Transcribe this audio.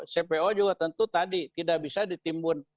cpo juga tentu tadi tidak bisa ditimbun